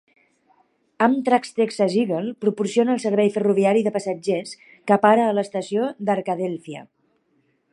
Amtrak's Texas Eagle proporciona el servei ferroviari de passatgers, que para a l'estació d'Arkadelphia.